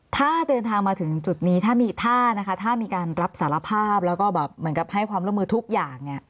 ถ้าเดินทางมาถึงจุดนี้ถ้ามีการรับสารภาพแล้วก็แบบเหมือนกับให้ความร่วมมือทุกอย่าง